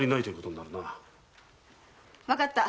わかった。